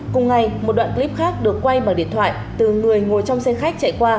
cùng ngày một đoạn clip khác được quay bằng điện thoại từ người ngồi trong xe khách chạy qua